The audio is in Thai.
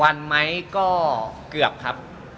วันไหมก็เกือบครับ